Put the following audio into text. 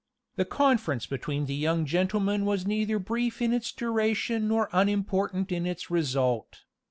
The conference between the young gentlemen was neither brief in its duration nor unimportant in its result.